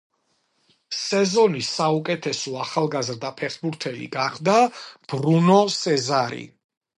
სეზონის საუკეთესო ახალგაზრდა ფეხბურთელი გახდა ბრუნო სეზარი.